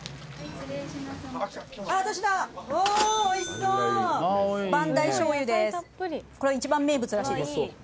これ一番名物らしいです。